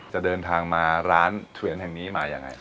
จะเดินทางมาร้านสุยันแห่งนี้มาอย่างไร